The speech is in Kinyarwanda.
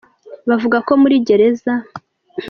bavuga ko muri Gereza.